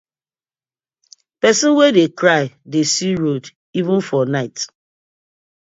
Pesin wey dey cry dey see road even for night.